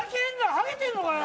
ハゲてんのかよ！